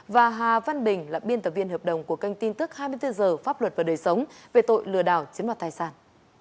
và hà văn bình là biên tập viên hợp đồng của kênh tin tức hai mươi bốn h pháp luật và đời sống về tội lừa đảo chiếm đoạt tài sản